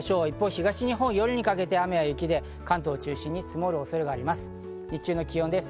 一方、東日本は夜にかけて雨や雪で雪が積もる恐れがあります。